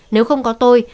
nếu không có tôi